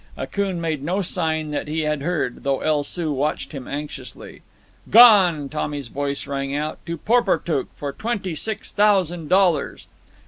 Akoon made no sign that he had heard, though El Soo watched him anxiously. "Gone!" Tommy's voice rang out. "To Porportuk, for twenty six thousand dollars."